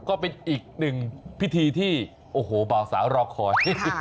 ก็เป็นอีกหนึ่งพิธีที่โอ้โหเบาสาวรอคอย